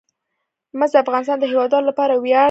مس د افغانستان د هیوادوالو لپاره ویاړ دی.